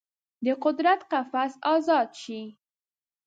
د قدرت قفس ازاد شي